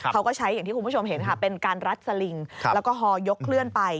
เขาก็ใช้อย่างที่คุณผู้ชมเห็นค่ะเป็นการรัดสลิงแล้วก็ฮอยกเคลื่อนไป